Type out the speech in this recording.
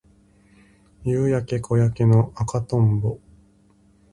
夕焼け小焼けの赤とんぼ